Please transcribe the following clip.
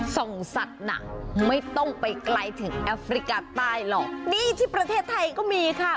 สัตว์หนังไม่ต้องไปไกลถึงแอฟริกาใต้หรอกนี่ที่ประเทศไทยก็มีค่ะ